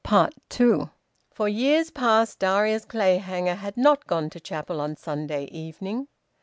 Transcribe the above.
TWO. For years past Darius Clayhanger had not gone to chapel on Sunday evening.